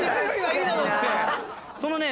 そのね